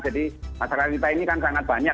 jadi masyarakat kita ini kan sangat banyak